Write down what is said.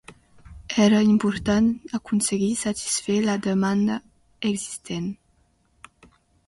Era important aconseguir satisfer la demanda existent.